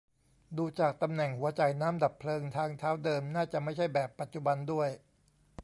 ดูจากตำแหน่งหัวจ่ายน้ำดับเพลิง ทางเท้าเดิมน่าจะไม่ใช่แบบปัจจุบันด้วย